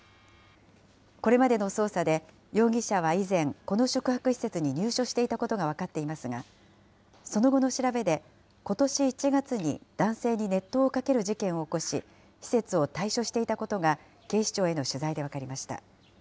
これまでの捜査で、容疑者は以前、この宿泊施設に入所していたことが分かっていますが、その後の調べで、ことし１月に男性に熱湯をかける事件を起こし、施設を退所していたことが、警視庁への取材で分かりました。